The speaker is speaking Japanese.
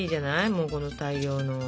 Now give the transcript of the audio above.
もうこの大量の。